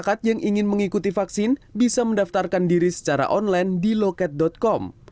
masyarakat yang ingin mengikuti vaksin bisa mendaftarkan diri secara online di loket com